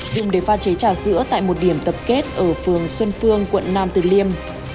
dùng để pha chế trà sữa tại một điểm tập kết ở phường xuân phương quận nam từ liêm